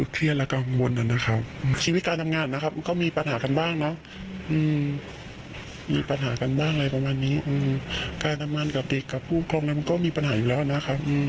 การทำงานกับเด็กกับผู้ครองนั้นมันก็มีปัญหาอยู่แล้วนะครับ